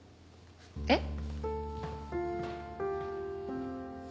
えっ？